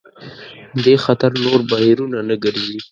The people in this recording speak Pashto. دې خاطر نور بهیرونه نه ګرځي.